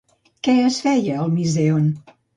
Què es feia al Misèon?